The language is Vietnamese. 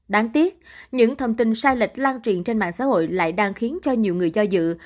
đáng tiếc những thông tin sai lệch lan truyền trên mạng xã hội lại đang khiến cho nhiều người cho dự